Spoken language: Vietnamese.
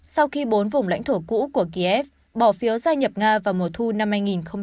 sau khi bốn vùng lãnh thổ cũ của kiev bỏ phiếu gia nhập nga vào mùa thu năm hai nghìn một mươi chín